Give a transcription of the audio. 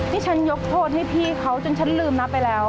ที่ฉันยกโทษให้พี่เขาจนฉันลืมนับไปแล้ว